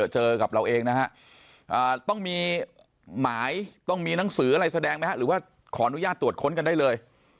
เจอกับเราเองนะฮะต้องมีหมายต้องมีหนังสืออะไรแสดงไหมฮะหรือว่าขออนุญาตตรวจค้นกันได้เลย